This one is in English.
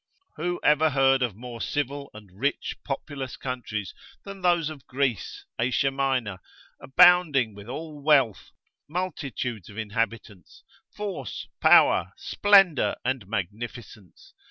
Who ever heard of more civil and rich populous countries than those of Greece, Asia Minor, abounding with all wealth, multitudes of inhabitants, force, power, splendour and magnificence?